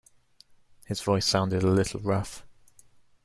His voice sounded a little rough.